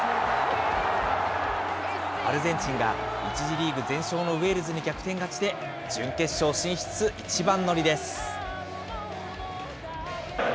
アルゼンチンが１次リーグ全勝のウェールズに逆転勝ちで、準決勝進出一番乗りです。